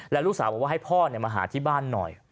แล้วลูกสาวบอกว่าให้พ่อมาหาที่บ้านหน่อย